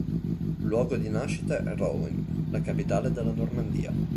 Luogo di nascita è Rouen, la capitale della Normandia.